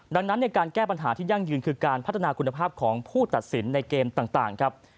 ดังนั้นในการแก้ปัญหาที่ยั่งยืนคือการพัฒนาคุณภาพของผู้ตัดสินในเกมต่างครับ